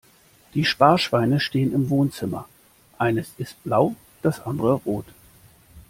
Die Sparschweine stehen im Wohnzimmer, eines ist blau das andere rot.